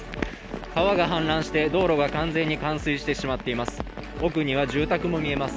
川が氾濫して道路が完全に冠水してしまっています。